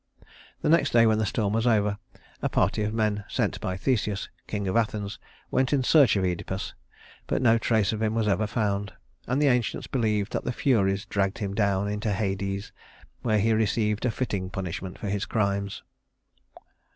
The next day when the storm was over, a party of men sent by Theseus, king of Athens, went in search of Œdipus, but no trace of him was ever found; and the ancients believed that the Furies dragged him down into Hades, where he received a fitting punishment for his crimes.